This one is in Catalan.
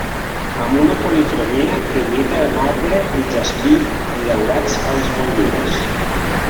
Amb una policromia que imita el marbre i jaspi i daurats a les motllures.